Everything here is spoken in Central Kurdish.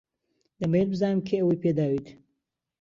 دەمەوێت بزانم کێ ئەوەی پێداویت.